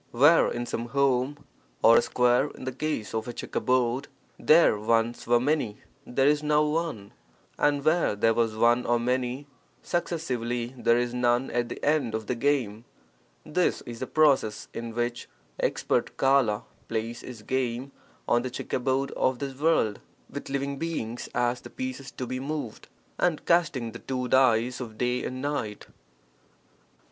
Where in some home (or, a square in the case of a checkerboard) there once were many, there is now one, and where there was one or many successively, there is none at the end (of the game) — this is the process in which expert Kala plays (his game) on the checkerboard of this world with living beings as the pieces to be moved, and casting the two dice of day and night.